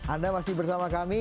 anda masih bersama kami